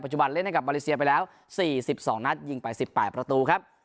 จุบันเล่นให้กับมาเลเซียไปแล้ว๔๒นัดยิงไป๑๘ประตูครับ